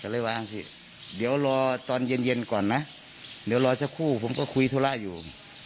ก็เลยวางสิเดี๋ยวรอตอนเย็นเย็นก่อนนะเดี๋ยวรอสักครู่ผมก็คุยธุระอยู่